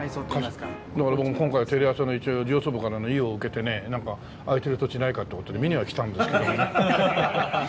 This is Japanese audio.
だから今回テレ朝の一応上層部からの意を受けてね空いてる土地ないかっていう事で見には来たんですけどね。